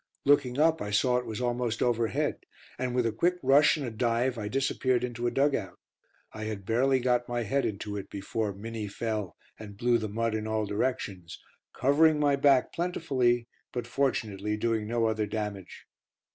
Looking up, I saw it was almost overhead, and with a quick rush and a dive I disappeared into a dug out. I had barely got my head into it before "Minnie" fell and blew the mud in all directions, covering my back plentifully, but fortunately doing no other damage.